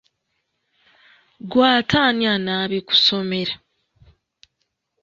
Ggwe ate ani anaabikusomera?